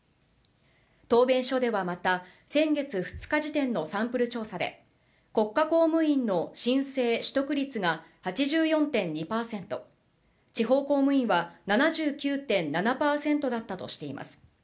答弁書ではまた、先月２日時点のサンプル調査で、国家公務員の申請・取得率が８４．２％、地方公務員は７９．７％だったとしています。